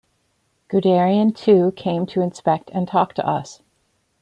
Guderian too came to inspect and talk to us.